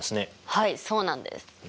はいそうなんです。